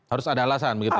harus ada alasan begitu